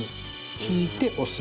引いて押す。